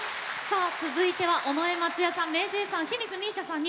さあ続いては尾上松也さんＭａｙＪ．さん